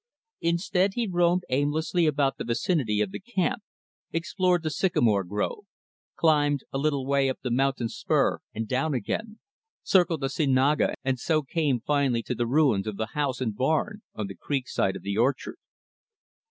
Instead, he roamed aimlessly about the vicinity of the camp explored the sycamore grove; climbed a little way up the mountain spur, and down again; circled the cienaga; and so came, finally, to the ruins of the house and barn on the creek side of the orchard.